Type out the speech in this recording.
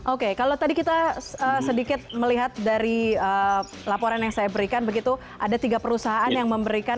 oke kalau tadi kita sedikit melihat dari laporan yang saya berikan begitu ada tiga perusahaan yang memberikan